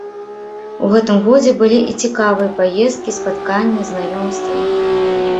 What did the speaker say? У гэтым годзе былі і цікавыя паездкі, спатканні, знаёмствы.